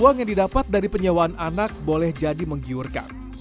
uang yang didapat dari penyewaan anak boleh jadi menggiurkan